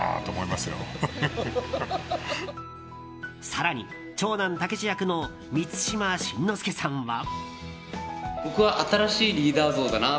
更に長男・猛役の満島真之介さんは。